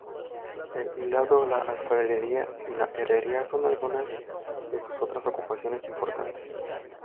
El hilado, la alfarería y la herrería son algunas de sus otras ocupaciones importantes.